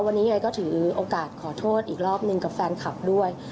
วันนี้ไงก็ถือโอกาสขอโทษอีกรอบหนึ่งกับแฟนคลับด้วย